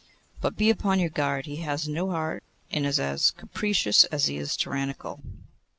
But be upon your guard. He has no heart, and is as capricious as he is tyrannical.